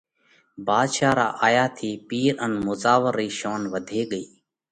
ڀاڌشا را آيا ٿِي پِير ان مُزاور رئي شونَ وڌي ڳئِي۔